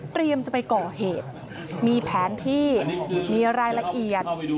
จะไปก่อเหตุมีแผนที่มีรายละเอียด